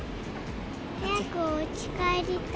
早くおうち帰りたい。